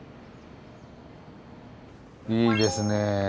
いいですね。